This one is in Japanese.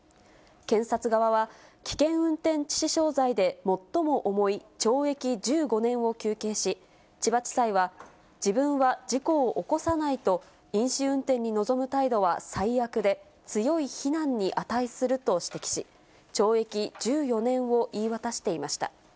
検察側は、危険運転致死傷罪で最も重い懲役１５年を求刑し、千葉地裁は、自分は事故を起こさないと飲酒運転に臨む態度は最悪で、強い非難に値すると指摘し、懲役１４年を言い渡していました。